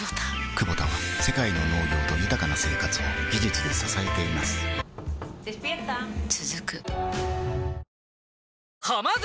クボタは世界の農業と豊かな生活を技術で支えています起きて。